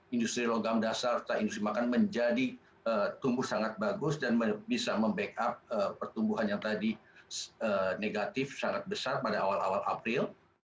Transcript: industri logam dasar serta industri makan menjadi tumbuh sangat bagus dan bisa membackup pertumbuhan yang tadi negatif sangat besar pada awal awal april